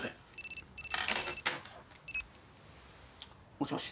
もしもし。